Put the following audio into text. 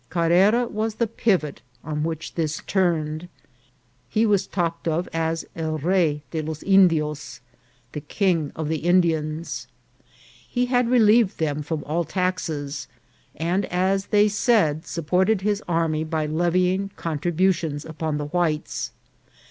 Carrera was the pivot on which this turned. He was talked of as El rey de los Indies, the King of the Indians. He had relieved them from all taxes, and, as they said, supported his army by levying contributions upon the whites.